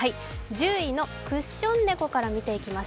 １０位のクッション猫から見ていきます。